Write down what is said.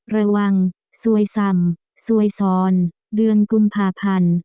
ระวังซวยซ่ำซวยซ้อนเดือนกุมภาพันธ์